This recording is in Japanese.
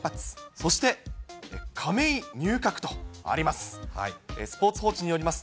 そして亀井入閣とあります。